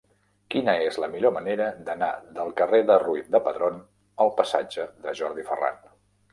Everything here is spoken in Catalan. Quina és la millor manera d'anar del carrer de Ruiz de Padrón al passatge de Jordi Ferran?